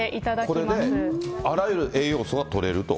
これであらゆる栄養素がとれると。